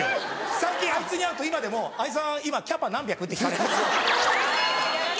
最近あいつに会うと今でも「兄さん今キャパ何百？」って聞かれるんですよ。